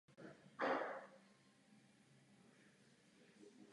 Pouze během této doby může dojít ke kolizi.